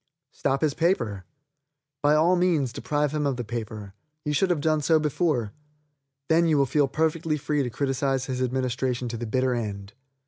Stop his paper. By all means deprive him of the paper. You should have done so before. Then you will feel perfectly free to criticise his administration to the bitter end.